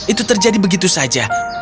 itu terjadi begitu saja